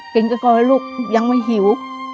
กินกับก่อนให้ลูกยังไม่หิว